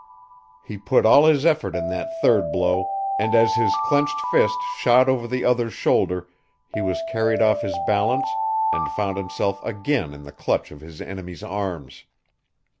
He put all his effort in that third blow and as his clenched fist shot over the other's shoulder he was carried off his balance and found himself again in the clutch of his enemy's arms.